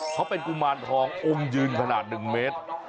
เขาเป็นกุมารทองอมยืนขนาด๑เมตร